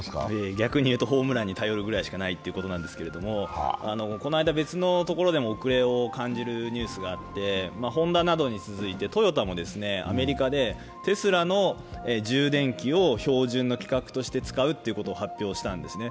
逆にいうとホームランに頼るぐらいしかないっていうことなんですけどこの間別のところでも遅れを感じるニュースがあって、ホンダなどに続いてトヨタもアメリカでテスラの充電機を標準の規格として使うと発表したんですね。